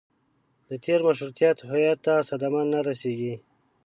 د تېر مشروطیت هویت ته صدمه نه رسېږي.